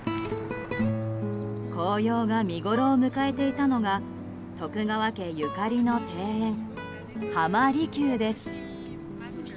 紅葉が見ごろを迎えていたのが徳川家ゆかりの庭園浜離宮です。